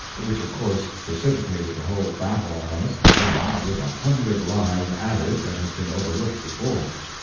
—which of course precipitated the whole battle on us, again, with a hundred lies added that had been overlooked before.